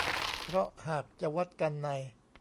เพราะหากจะวัดกันใน